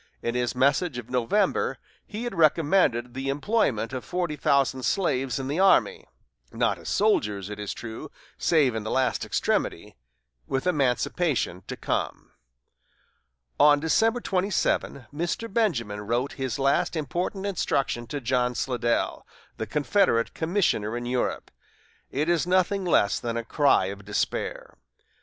In his message of November he had recommended the employment of forty thousand slaves in the army not as soldiers, it is true, save in the last extremity with emancipation to come. On December 27, Mr. Benjamin wrote his last important instruction to John Slidell, the Confederate commissioner in Europe. It is nothing less than a cry of despair.